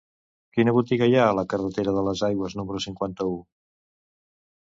Quina botiga hi ha a la carretera de les Aigües número cinquanta-u?